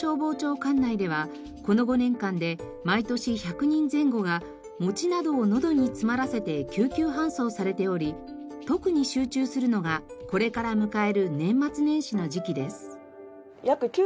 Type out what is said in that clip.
管内ではこの５年間で毎年１００人前後がもちなどをのどに詰まらせて救急搬送されており特に集中するのがこれから迎える年末年始の時期です。